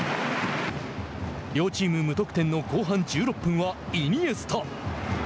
両チーム無得点の後半１６分はイニエスタ。